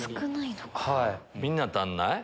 みんな足んない？